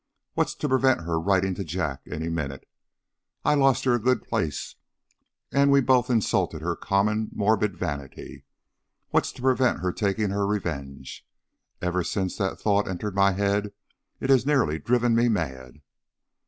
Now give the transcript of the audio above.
What's to prevent her writing to Jack any minute? I lost her a good place, and we both insulted her common morbid vanity. What's to prevent her taking her revenge? Ever since that thought entered my head it has nearly driven me mad."